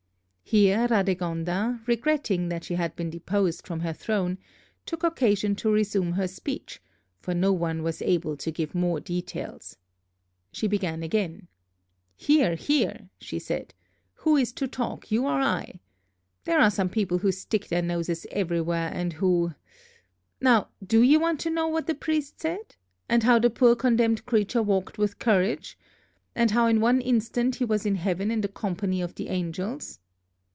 Here Radegonda, regretting that she had been deposed from her throne, took occasion to resume her speech, for no one was able to give more details. She began again. "Here, here," she said, "who is to talk, you or I? There are some people who stick their noses everywhere and who Now do you want to know what the priest said? and how the poor condemned creature walked with courage? and how in one instant he was in heaven in the company of the angels?"